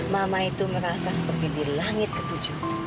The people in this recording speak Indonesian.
mama itu merasa seperti di langit ketujuh